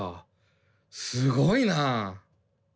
すごいな。